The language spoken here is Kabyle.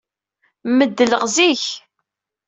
Meddleɣ zik.